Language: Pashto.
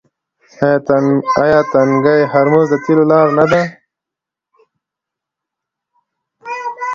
آیا تنګی هرمز د تیلو لاره نه ده؟